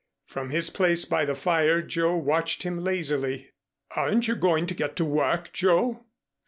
From his place by the fire Joe watched him lazily. "Aren't you going to get to work, Joe?"